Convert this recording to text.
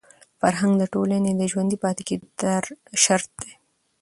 فرهنګ د ټولني د ژوندي پاتې کېدو شرط دی.